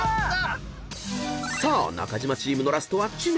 ［さあ中島チームのラストは知念。